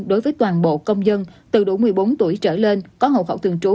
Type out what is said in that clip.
đối với toàn bộ công dân từ đủ một mươi bốn tuổi trở lên có hậu khẩu thường trú